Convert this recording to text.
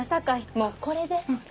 もうこれで。